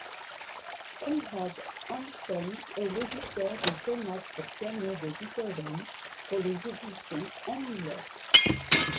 Conrad Hansen est l'éditeur des Sonates pour piano de Beethoven pour les éditions Henle.